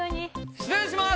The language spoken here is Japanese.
失礼します！